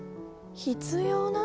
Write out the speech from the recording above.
必要な？